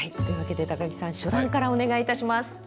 というわけで高木さん初段からお願いいたします。